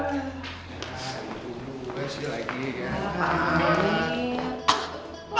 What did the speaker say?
kalo kan udah sering ya ke rumahnya reva